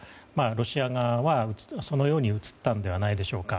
ロシア側にはそのように映ったのではないでしょうか。